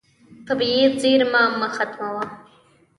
طبیعي زیرمه مه ختموه.